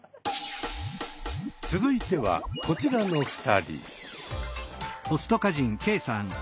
続いてはこちらの２人。